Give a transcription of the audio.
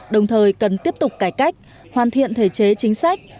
đồng thời cần tiếp tục cải cách hoàn thiện thể chế chính sách